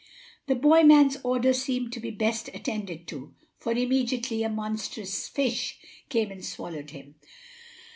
The boy man's order seemed to be best attended to, for immediately a monstrous fish came and swallowed him.